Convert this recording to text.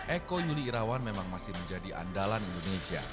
eko yuli irawan memang masih menjadi andalan indonesia